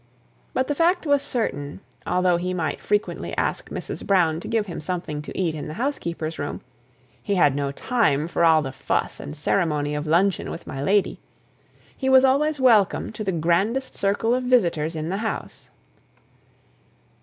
But the fact was certain; although he might frequently ask Mrs. Brown to give him something to eat in the housekeeper's room he had no time for all the fuss and ceremony of luncheon with my lady he was always welcome to the grandest circle of visitors in the house.